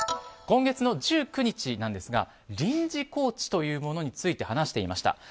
今月の１９日なんですが臨時コーチというものについて話していました。